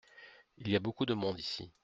Il y a beaucoup de monde ici.